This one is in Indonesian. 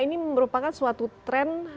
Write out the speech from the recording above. ini merupakan suatu tren